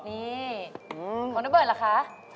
นี่ของน้ำเบิดล่ะคะ